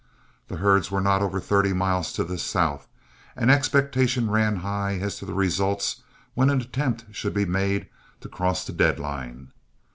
The herds were not over thirty miles to the south, and expectation ran high as to results when an attempt should be made to cross the deadline.